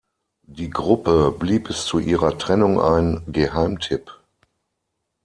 Die Gruppe blieb bis zu ihrer Trennung ein "Geheimtipp".